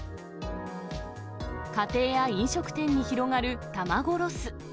家庭や飲食店に広がる卵ロス。